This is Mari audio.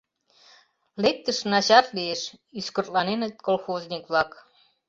— Лектыш начар лиеш, — ӱскыртланеныт колхозник-влак.